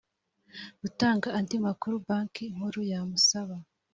gutanga andi makuru banki nkuru yamusaba